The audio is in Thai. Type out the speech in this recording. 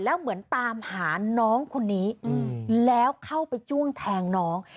แล้วเหมือนตามหาน้องคนนี้แล้วเข้าไปจ้วงแทงน้อง